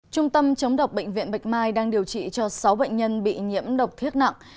trung tâm chống độc bệnh viện bạch mai đang điều trị cho sáu bệnh nhân bị nhiễm độc thiết nặng